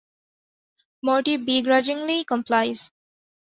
Morty begrudgingly complies.